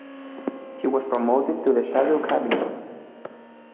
He was promoted to the Shadow Cabinet.